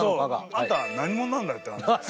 あんた何者なんだよって感じだよね。